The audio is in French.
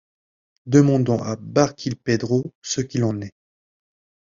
Demandons à Barkilphedro ce qu’il en est.